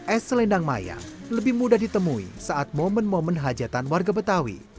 es selendang mayang lebih mudah ditemui saat momen momen hajatan warga betawi